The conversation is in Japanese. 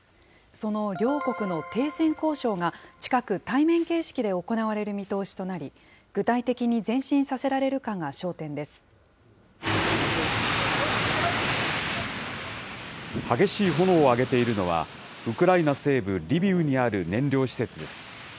その両国の停戦交渉が、近く対面形式で行われる見通しとなり、具体的に前進させられるかが焦点激しい炎を上げているのは、ウクライナ西部リビウにある燃料施設です。